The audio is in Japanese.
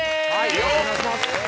よろしくお願いします。